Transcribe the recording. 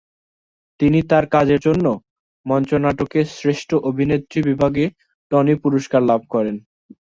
তিনি তার এই কাজের জন্য মঞ্চনাটকে শ্রেষ্ঠ অভিনেত্রী বিভাগে টনি পুরস্কার লাভ করেন।